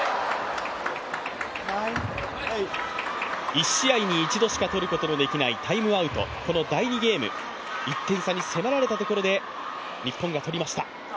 １試合に一度しかとることができないタイムアウトこの第２ゲーム１点差に迫られたところで日本が取りました。